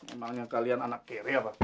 emangnya kalian anak kere pak